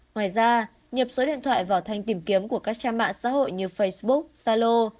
ngoài ra nhập số điện thoại vào thanh tìm kiếm của các trang mạng xã hội như facebook zalo